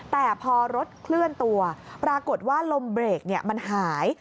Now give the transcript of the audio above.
แต่พอรถเคลื่อนตัวปรากฏว่าลมเบรกมันหาย